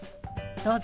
どうぞ。